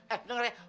eh denger ya